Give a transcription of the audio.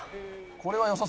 これは。